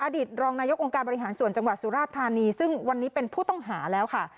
ตรองนายกองค์การบริหารส่วนจังหวัดสุราชธานีซึ่งวันนี้เป็นผู้ต้องหาแล้วค่ะ